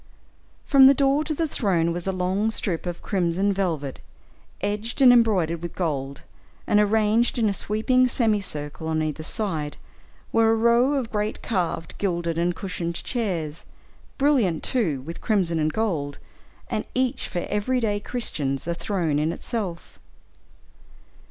From the door to the throne was a long strip of crimson velvet, edged and embroidered with gold, and arranged in a sweeping semi circle, on either side, were a row of great carved, gilded, and cushioned chairs, brilliant, too, with crimson and gold, and each for every day Christians, a throne in itself.